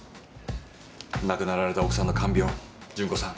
亡くなられた奥さんの看病順子さん